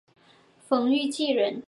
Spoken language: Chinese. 冯誉骥人。